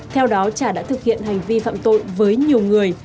theo đó trà đã thực hiện hành vi phạm tội với nhiều người